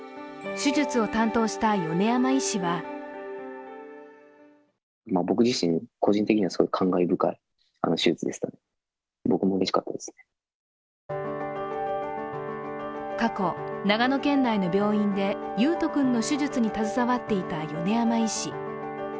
手術を担当した米山医師は過去、長野県内の病院で維斗君の手術に携わっていた米山医師。